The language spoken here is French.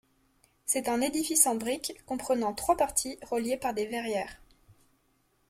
C'est un édifice en brique comprenant trois parties reliées par des verrières.